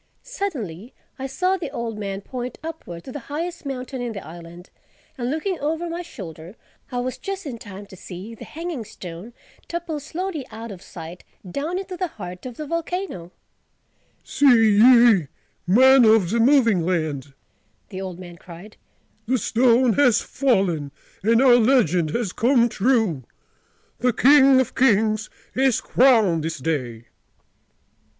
Suddenly I saw the old man point upward, to the highest mountain in the island; and looking over my shoulder, I was just in time to see the Hanging Stone topple slowly out of sight—down into the heart of the volcano. "See ye, Men of the Moving Land!" the old man cried: "The stone has fallen and our legend has come true: the King of Kings is crowned this day!"